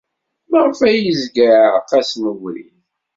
Maɣef ay yezga iɛerreq-asen ubrid?